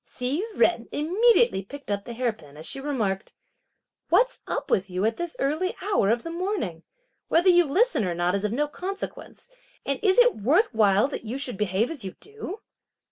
Hsi Jen immediately picked up the hair pin, as she remarked: "What's up with you at this early hour of the morning? Whether you listen or not is of no consequence; and is it worth while that you should behave as you do?"